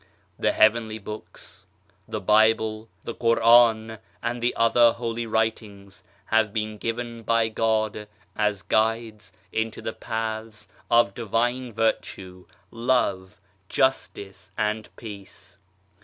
The Heavenly Books, the Bible, the Quran, and the other Holy Writings have been given by God as guides into the paths of Divine Virtue, Love, Justice and Peace.